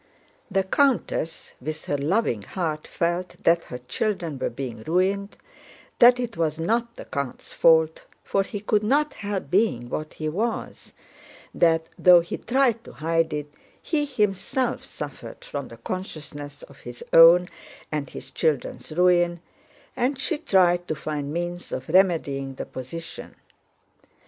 The countess, with her loving heart, felt that her children were being ruined, that it was not the count's fault for he could not help being what he was—that (though he tried to hide it) he himself suffered from the consciousness of his own and his children's ruin, and she tried to find means of remedying the position.